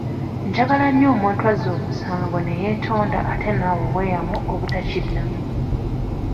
Njagala nnyo omuntu azza omusango ne yeetonda ate n'awa obweyamo obutakiddamu.